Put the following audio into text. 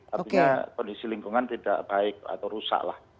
artinya kondisi lingkungan tidak baik atau rusak lah